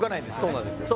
そうなんですよ